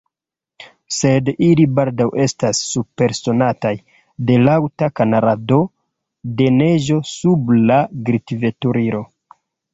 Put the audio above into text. Sed ili baldaŭ estas supersonataj de laŭta knarado de neĝo sub la glitveturilo.